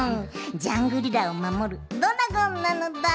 ジャングリラをまもるドラゴンなのだ！